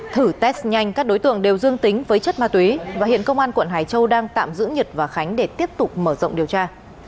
thử test nhanh các đối tượng đều dương tính với chất ma túy và hiện công an quận hải châu đang tạm giữ nhật và khánh để tiếp tục mở rộng điều tra